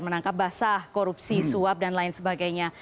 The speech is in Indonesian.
menangkap basah korupsi suap dan lain sebagainya